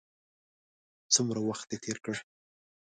څومره وخت دې تېر کړ.